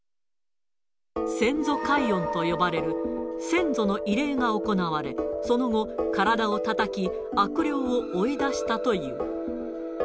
先祖解怨と呼ばれる、先祖の慰霊が行われ、その後、体をたたき、悪霊を追い出したという。